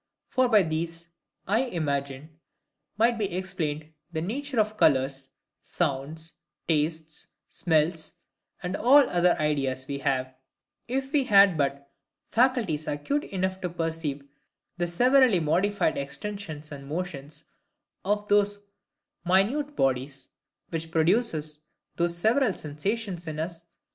For by these, I imagine, might be EXPLAINED the nature of colours, sounds, tastes, smells, and ALL OTHER IDEAS WE HAVE, if we had but faculties acute enough to perceive the severally modified extensions and motions of these minute bodies, which produce those several sensations in us.